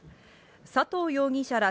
佐藤容疑者ら